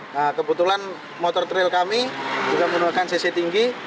nah kebetulan motor trail kami juga menggunakan cc tinggi